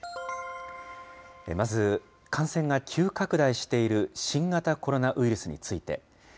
まず、感染が急拡大している新型コロナウイルスについて。